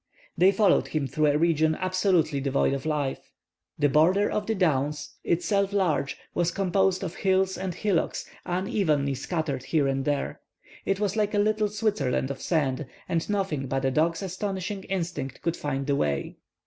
They followed him through a region absolutely devoid of life. The border of the downs, itself large, was composed of hills and hillocks, unevenly scattered here and there. It was like a little Switzerland of sand, and nothing but a dog's astonishing instinct could find the way.